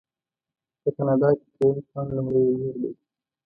په کاناډا کې دویم ځوان لومړی وزیر دی.